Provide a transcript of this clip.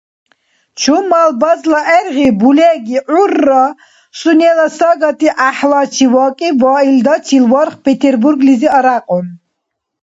Чумал базла гӀергъи булеги гӀурра сунела сагати гӀяхӀлачи вакӀиб ва илдачил варх Петербурглизи арякьун.